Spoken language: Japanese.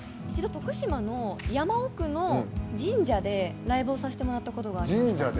徳島の山奥の神社でライブをさせてもらったことがありました。